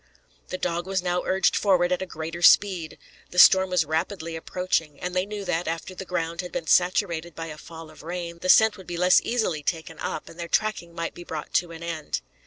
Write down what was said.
The dog was now urged forward at a greater speed. The storm was rapidly approaching; and they knew that, after the ground had been saturated by a fall of rain, the scent would be less easily taken up, and their tracking might be brought to an end.